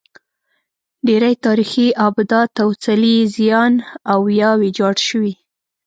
ډېری تاریخي ابدات او څلي یې زیان او یا ویجاړ شوي.